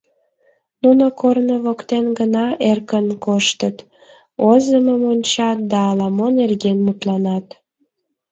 Нуно корно воктен гына эркын коштыт, озымым ончат да ала-мо нерген мутланат.